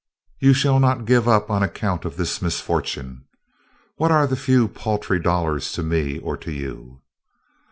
You shall not give up on account of this misfortune. What are the few paltry dollars to me or to you?"